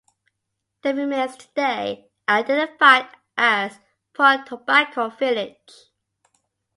The remains today are identified as Port Tobacco Village.